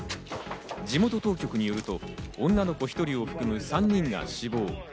地元当局によると、女の子１人を含む３人が死亡。